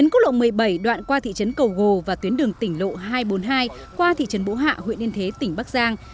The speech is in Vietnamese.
năm hai nghìn một mươi bảy đoạn qua thị trấn cầu gồ và tuyến đường tỉnh lộ hai trăm bốn mươi hai qua thị trấn bộ hạ huyện yên thế tỉnh bắc giang